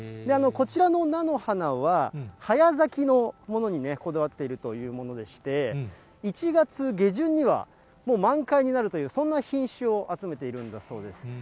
こちらの菜の花は、早咲きのものにこだわっているというものでして、１月下旬には、もう満開になるという、そんな品種を集めているんだそうです。